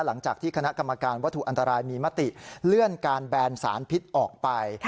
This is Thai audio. หลังจากที่คณะกรรมการวัตถุอันตรายมีมติเลื่อนการแบนสารพิษออกไป